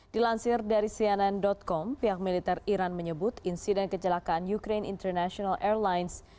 dilansir dari cnn com pihak militer iran menyebut insiden kecelakaan ukraine international airlines